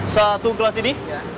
satu gelas ini